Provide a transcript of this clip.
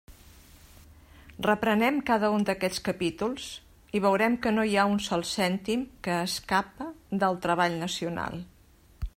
Reprenem cada un d'aquests capítols, i veurem que no hi ha ni un sol cèntim que escape del treball nacional.